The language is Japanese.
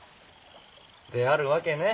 であるわけね。